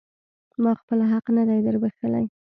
ما خپل حق نه دی در بښلی.